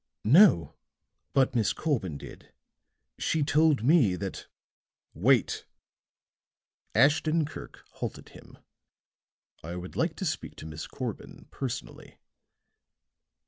"No. But Miss Corbin did. She told me that " "Wait!" Ashton Kirk halted him. "I would like to speak to Miss Corbin personally."